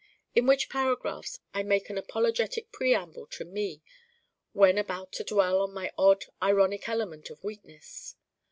In which paragraphs I make an apologetic preamble to Me when about to dwell on my odd ironic element of Weakness.